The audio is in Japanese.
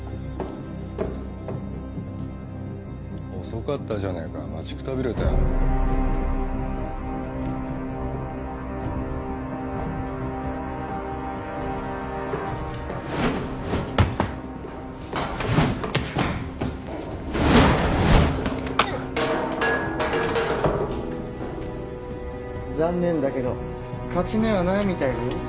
遅かったじゃねえか待ちくたびれたよ残念だけど勝ち目はないみたいだよ